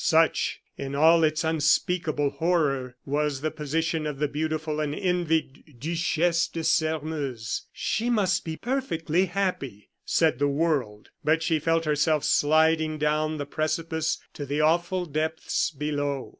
Such, in all its unspeakable horror, was the position of the beautiful and envied Duchesse de Sairmeuse. "She must be perfectly happy," said the world; but she felt herself sliding down the precipice to the awful depths below.